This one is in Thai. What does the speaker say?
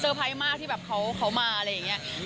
เซอร์ไพรส์มากที่เขามาอะไรอย่างนี้